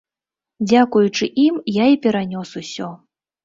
Дзякуючы ім я і перанёс усё.